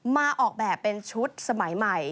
มาออกแบบเป็นชุดสมัยใหม่